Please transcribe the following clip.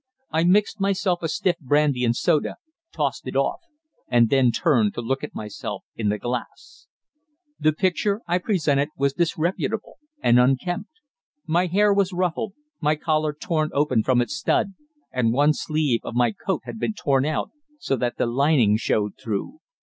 I mixed myself a stiff brandy and soda, tossed it off, and then turned to look at myself in the glass. The picture I presented was disreputable and unkempt. My hair was ruffled, my collar torn open from its stud, and one sleeve of my coat had been torn out, so that the lining showed through.